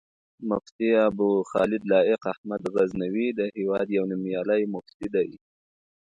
مفتي ابوخالد لائق احمد غزنوي، د هېواد يو نوميالی مفتی دی